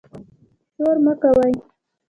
شور مه کوئ